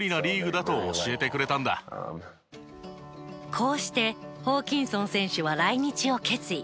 こうしてホーキンソン選手は来日を決意。